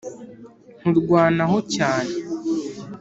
nkurwanaho cyane